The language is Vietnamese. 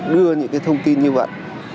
đưa những cái thông tin như vậy